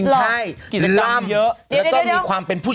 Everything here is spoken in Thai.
สกำกาแด่ดู